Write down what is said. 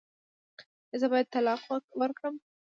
ایا زه باید طلاق ورکړم؟